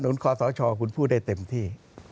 คอสชคุณพูดได้เต็มที่